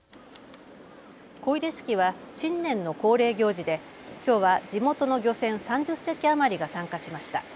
漕出式は新年の恒例行事できょうは地元の漁船３０隻余りが参加しました。